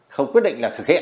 không quyết định là thực hiện